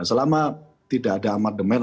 selama tidak ada amat demand